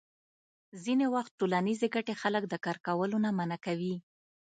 ځینې وخت ټولنیزې ګټې خلک د کار کولو نه منع کوي.